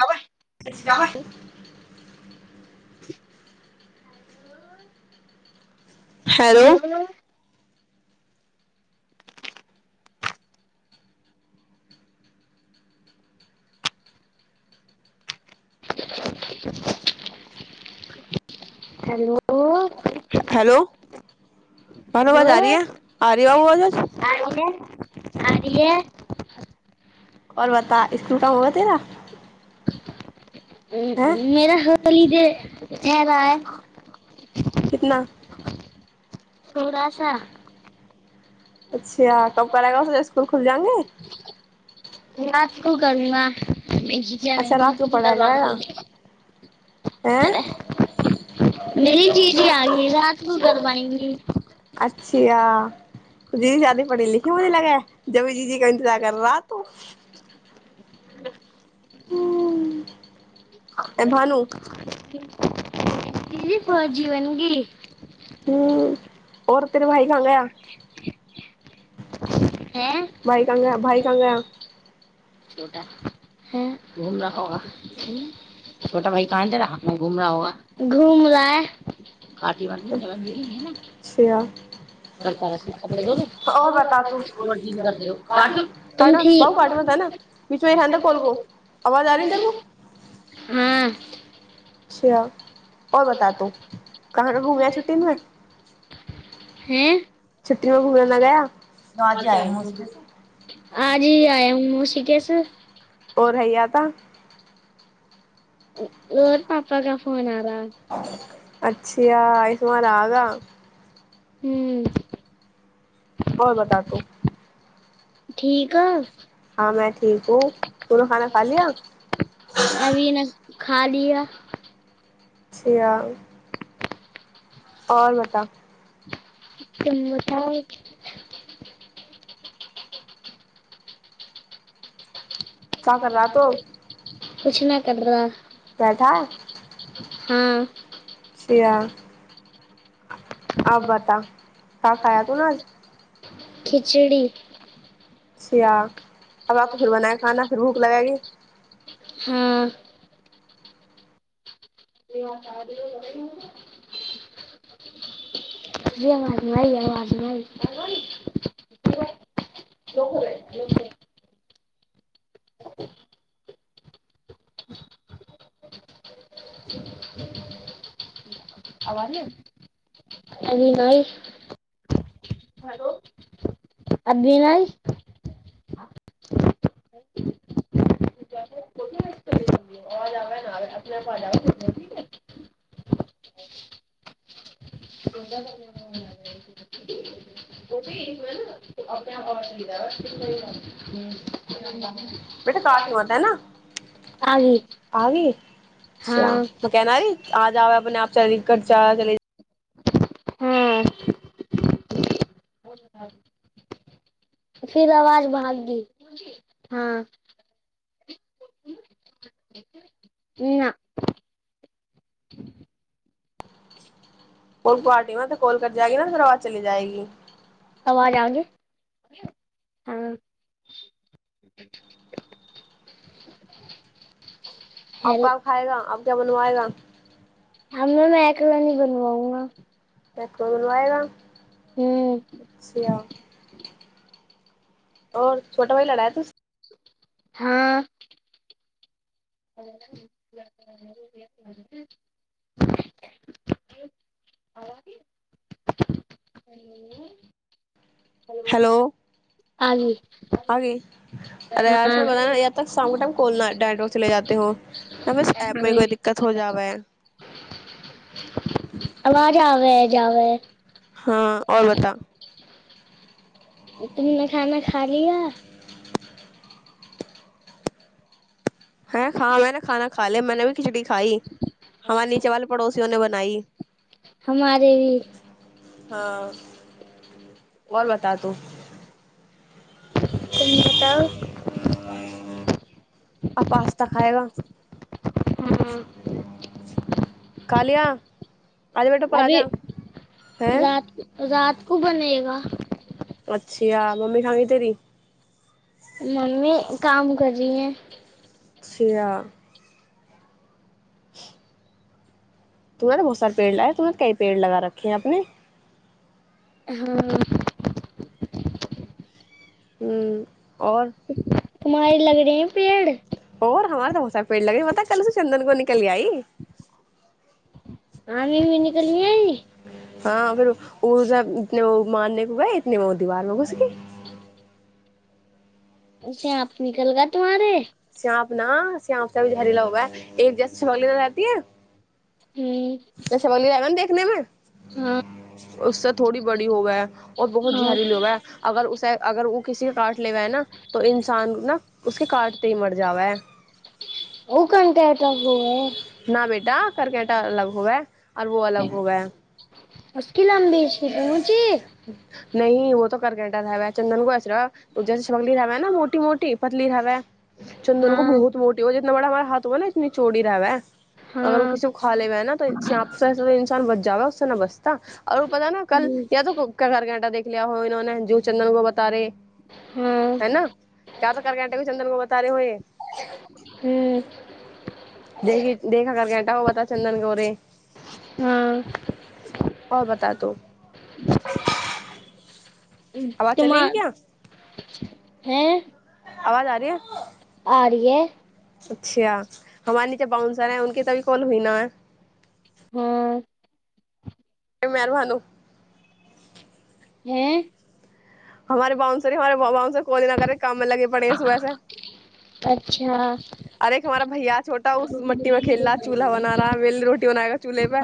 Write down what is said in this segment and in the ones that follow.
हब। [unintelligible] ह। Hello. Hello. भनो बाज री है आ री ब [unintelligible] [unintelligible] आिये आिये। आओर बता स्सकुल क हग तेरा [unintelligible] हैं [unintelligible] मेरा होली जे हेरा ह। कितना सराास। अच्छा कब करेगा उ स्सकुल खुल जाएंगे। नात श करमा। ी अच्छा रात को पढ़ाया करवाी कराएगा हैं मे चीजी आग रात को करवाएी जी शादी पढ़ी लिखी मुझे लगै। जबीजीजी क इन्जार कर रह ्तू। हू। [unintelligible] की को जीवन गी। आओर तेर भाय खा गाय। है बइकंग भाइ कगा। छ ह घूम रह होगा छोटा भइ कहान दे रह घूम रहा होगा घूम रहा है। कटी बार तली है। अच्छा करता रह कपे धोने और बता तू मर्ी करट त काटो ठ बाबू काट मत है ना बीच में ही रहने दे कॉल को आवाज आ रही है तेरे को ह। हँ। अचा। आओर बतातू कहाँ कहाँ घूमै छुट्टीमे। हँ। छुटी मे घूमै ल गया आ। केस। आर हैय तऽ। ओर पापा क फोन आार। अच्ा इसमान आ गा। ह्म। आओर बता तू। ठीकीक ह। हँ मै ठीक हू तूनोू खाना खा लिया। अभी न खा लिअ। छिय। आओर बता त। क्या प कर रहा ल। किुछ नहि कदवा। क ठा। हँ। आब बता क खाया तू नेज। खिचड़ी चछ या अब आको फेर बनाया खाना फेर भूख लगेगी। हँ। जे अवाज नहि आइ अवाज नहि आइ ह। अभ अभना अपना प ल ठै अपने बेटा काठी मात ह ने आ गई आछ हाँ त केना आजउै अपने चल कर जाा चल हँ फिर आवाज भाग गी हँ नहि। को पारटीमे तऽ कॉल कर जाएगी न फेर आवाज चली जाएगी। हँ। आबा खाएगा अब। क बनवएगा। हममे एककलानीी बनवाउंगा देख को कोन आएग। ह्म। औ छोटा भाइ लड़ा तू। हँ।। [unintelligible] हेलो। गई आगे अ हाँ आ ब य त सामगटाम कोलना ेडोर से ले जाते हो। हां बस ऐप हाँ में कोई दिक्कत हो जाबै अवाजबजै हँ आओर बता [unintelligible] [unintelligible] हमारे भी आओर बता तू तुम बताओ आ आास्ता खाएगा हाँ ख लिया आध बटेपर आ अभी जा ह। होगा। अच्छिा मम्मी खानी तेरी मम्मी काम कर रही है। छय तुम्हे ने बहुत सार पड़गए ह तुमह क पेड़ लगा रखे ह अपने [unintelligible] हूं [unintelligible] [unintelligible] [unintelligible] [unintelligible] [unintelligible] [unintelligible] [unintelligible] हम्म [unintelligible] हाँ हाँ [unintelligible] [unintelligible] [unintelligible] [unintelligible] [unintelligible] अलग हो गया [unintelligible] [unintelligible] [unintelligible] [unintelligible] हाँ [unintelligible] हाँ [unintelligible] [unintelligible] [unintelligible] हम्म [unintelligible] खेलिया हो इन्होने जू चन्द्रन को बताे। हाँ हना क्य तऽ कर कटे भी चन्दन गो बतारे होए हँ। देख देखा कर कटा ओ बता चन्दन गौरे हँ। [unintelligible] आवाज चलेगी क्या [unintelligible] [unintelligible] आ रऐ। अच्छा हमारी जे बाउन्सर है उके तऽभी कन हई नै। हँ। मेहरबान। हँ। हमारे बनस हारे बस कोइ दी न करे काम मे लगी पड़ी ह सुबह से। अच्छा अर एक हमारा भैया छोटाा उस मटी में खेलला चूलहा बना रहा रोटी बनाएगा चूल्हे पे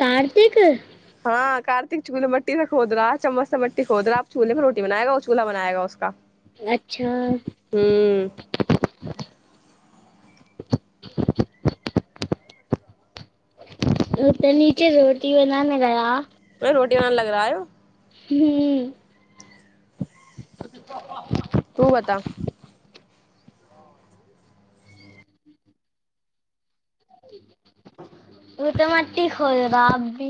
कार्तिक हँ कार एक चुल्े मटी खोद रहह चम्मच से मट खोद रह आ चूल्ह पर रोी बनाएग ओ चलह बनाएा उक। अच्छा। [unintelligible] ओ त नचे रोट नाम रहार नहि रोटी बन लग रहा य। हू। तू बता ओ तऽ मठ खो र आ भी।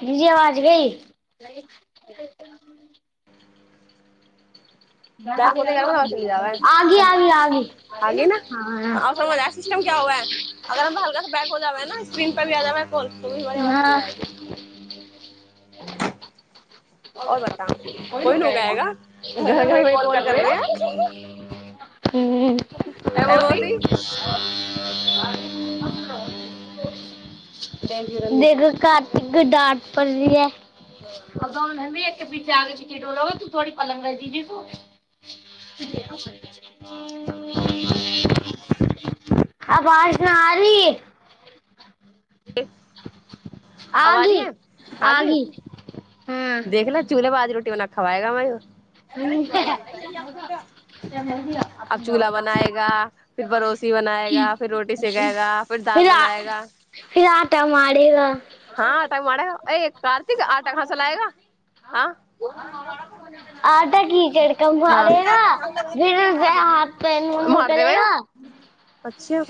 बिजी अवाज गी [unintelligible] बैक होते गरम चली जावा आगी है आी आ ह आगे ना और समझ आया सिस्टम क्या हुआ है अगर हम हल्का सा बैक हो जावे ना स्क्रीन पर भी आ जावे कॉल तो भी हमारी आवाज चली हँ। जाएगी और बता आर कोई लोग आएगा होएगा घर घर में कल कॉल कर रहे ह। ह वोसी। देखग घातिक गडट पर भए। एक के पीछे आगे च टोले तू थोड़ी पल् दी आवाज नहि आ री। आब आ री आगी है आगी हाँ देख ल चूल्हे पर आज रोटी बना खवायगा वाय फिर अब चूल्हा बनाएगा फिर बड़ोसी बनाएगा फिर रोटी सेखएगा फिर दाल आ बनाएगा। फिर आटा मारेगा हँ आटााक मारे अ कार्तिक आटा कहसा लएगा हँ आटा कीचड़ का मारेगा फिर उसे हाथ पैर मुंह मार देबेौ करेगा अछा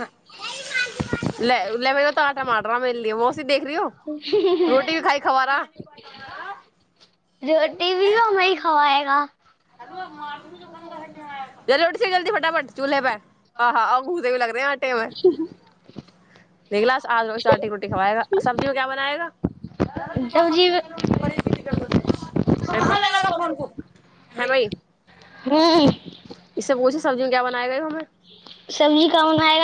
ल लेबै त भेलली ए। देख रहीौ रोटी भी खा खबारा। रोटी भी ओमेी खवएगा। ज उठ जल्दी फटाफट। जूलेबर। आ ह अङंगूे भ लग। वए। सब्जी ोट रोटी ख्जी बना हैं भइ इे हम्म पूछू सब्जियो क्य बनाए गा हमे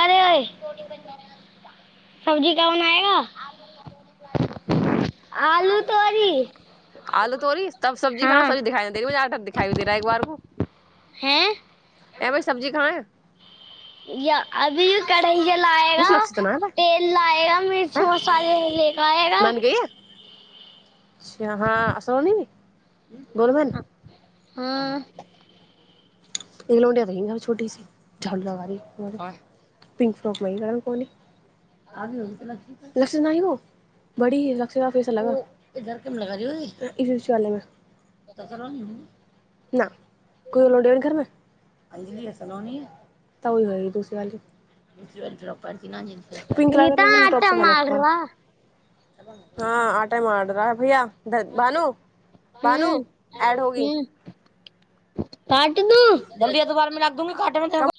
नहिइ। ब। सब्जी कन आयगा। आलू तोरीी तब सब्जी खाना हाँ सब्जी दिखाई नहि दे रह मु आट दिखाई भी दे रहै एक बार को हँ। एमे स सब्जी खा। या अभी कढ़ैय लाएगा मुझे लक्षित ना है भाई तेल लाएगा मिर्च हैं मसाले लेके आएगा। नंद गई है अच्छा हँ सोनी भी गोलमे ने। हँ। एक लडिया त छोटी सी झी पिंक फ्रॉक मे कर पी आबी होगी त ल की लक्स न व बड़ी लक्ष फे अलग सचालय तस रह। न को लोडब ने घरमे। ीी लसनोनी त ओी हो दू प लगरन इतना आटा मार ह रहा आ टाइम। भैया। बानू बानू हम्म ड होगी साट द त त